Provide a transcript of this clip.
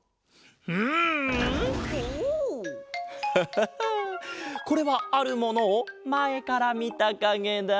ハハハこれはあるものをまえからみたかげだ。